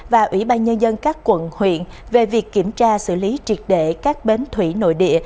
và ủy ban nhân dân các quận huyện về việc kiểm tra xử lý triệt để các bến thủy nội địa